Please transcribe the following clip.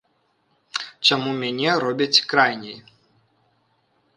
Чаму мяне робяць крайняй?